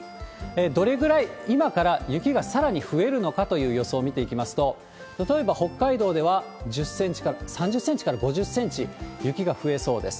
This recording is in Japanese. どれぐらい今から雪がさらに増えるのかという予想見ていきますと、例えば北海道では、３０センチから５０センチ、雪が増えそうです。